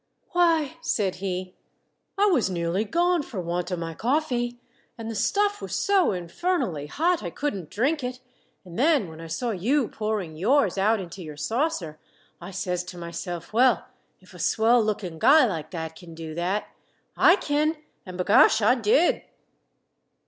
"Why," said he, "I was nearly gone for want of my coffee, and the stuff was so infernally hot I couldn't drink it, and then when I saw you pouring yours out into your saucer, I says to myself, '_Well, if a swell lookin' guy like that kin do that, I kin, an' b'gosh, I did!